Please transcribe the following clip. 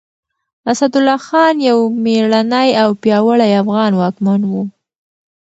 اسدالله خان يو مېړنی او پياوړی افغان واکمن و.